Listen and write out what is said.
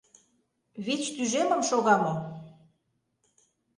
Вич тӱжемым шога мо?